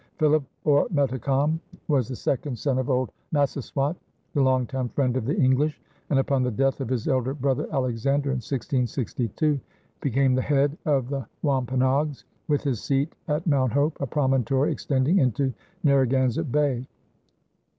Philip, or Metacom, was the second son of old Massasoit, the longtime friend of the English, and, upon the death of his elder brother Alexander in 1662, became the head of the Wampanoags, with his seat at Mount Hope, a promontory extending into Narragansett Bay.